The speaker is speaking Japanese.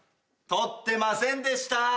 撮ってませんでした！